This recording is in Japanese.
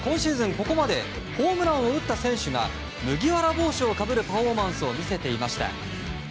ここまでホームランを打った選手が麦わら帽子をかぶるパフォーマンスを見せていました。